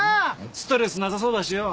ストレスなさそうだしよ。